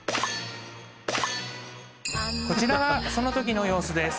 こちらがその時の様子です